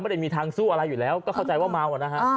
ได้มีทางสู้อะไรอยู่แล้วก็เข้าใจว่าเมาอ่ะนะฮะ